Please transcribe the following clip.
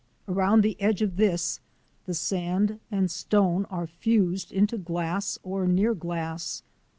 Around the edge of this the sand and stone are fused into glass or near glass.